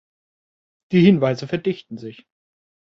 Die Hinweise verdichten sich.